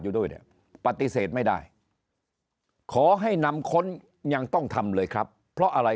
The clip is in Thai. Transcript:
อยู่ด้วยเนี่ยปฏิเสธไม่ได้ขอให้นำค้นยังต้องทำเลยครับเพราะอะไร